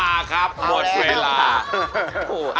หมดเวลาครับหมดเวลา